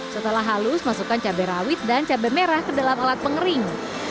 setelah halus masukkan cabai rawit dan cabai merah ke dalam alat pengering